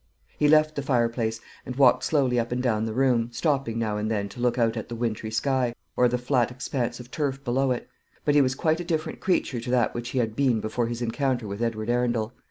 He left the fireplace, and walked slowly up and down the room, stopping now and then to look out at the wintry sky, or the flat expanse of turf below it; but he was quite a different creature to that which he had been before his encounter with Edward Arundel.